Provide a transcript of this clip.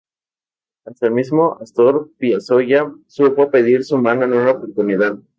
Hasta el mismo Astor Piazzolla supo pedir su mano en una oportunidad.